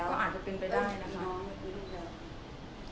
ก็อาจจะเป็นไปได้นะคะ